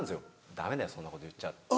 「ダメだよそんなこと言っちゃ」。